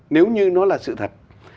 nếu như nó là sự thật